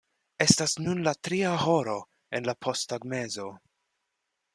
Estas nun la tria horo en la posttagmezo.